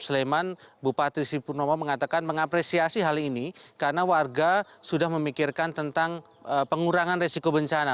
sleman bupati sipurnomo mengatakan mengapresiasi hal ini karena warga sudah memikirkan tentang pengurangan resiko bencana